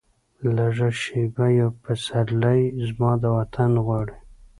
لږه شیبه یو پسرلی، زما د وطن غواړي